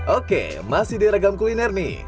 oke masih diragam kuliner nih